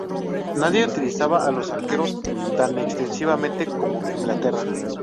Nadie utilizaba a los arqueros tan extensivamente como Inglaterra.